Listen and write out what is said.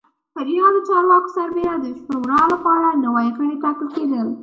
پر یادو چارواکو سربېره د شورا لپاره نوي غړي ټاکل کېدل